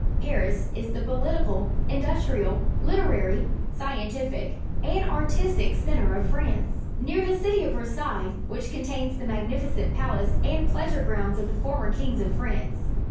Paris is the political, industrial, literarj% scientific, and artistic centre of France. Near the citj is Versailles, The Promenade at Nice, France which contains the magnificent palace and pleasure grounds of the former kings of France.